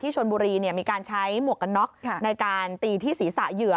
ชนบุรีมีการใช้หมวกกันน็อกในการตีที่ศีรษะเหยื่อ